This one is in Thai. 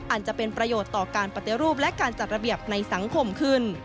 อาจจะเป็นประโยชน์ต่อการปฏิรูปและการจัดระเบียบในสังคมขึ้น